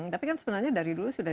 tapi kan sebenarnya dari dulu sudah